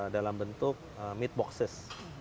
dalam bentuk meat boxes